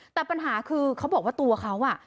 แต่ปัญหาคือเขาบอกว่าตัวเขา